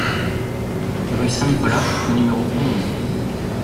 Rue Saint Nicolas au numéro onze